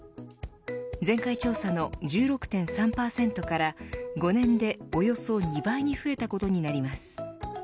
前回調査の１６．３％から５年でおよそ２倍に増えたことになります